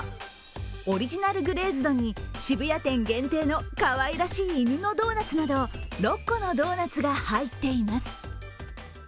オリジナル・グレーズドに渋谷店限定のかわいらしい犬のドーナツなど６個のドーナツが入っています。